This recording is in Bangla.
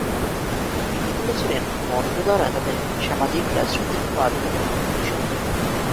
তিনি বলেছিলেন, “মন্ত্র দ্বারা তাদের সামাজিক, রাজনৈতিক ও আধ্যাত্মিক উন্নতি সম্ভব।